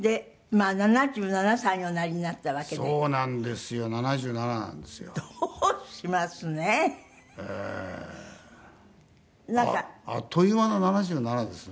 あっという間の７７ですね。